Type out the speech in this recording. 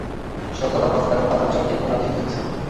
শওকত আব্বাস খাঁন, ও পাঠান, চারটা খুন আর তিনটা ধর্ষণ।